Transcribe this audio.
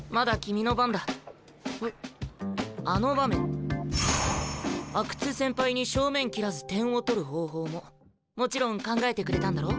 あの場面阿久津先輩に正面切らず点を取る方法ももちろん考えてくれたんだろ？